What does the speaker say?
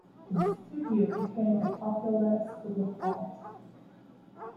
His studio became a popular school of art.